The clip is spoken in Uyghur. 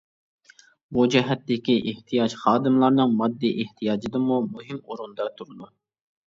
بۇ جەھەتتىكى ئېھتىياج خادىملارنىڭ ماددىي ئېھتىياجىدىنمۇ مۇھىم ئورۇندا تۇرىدۇ.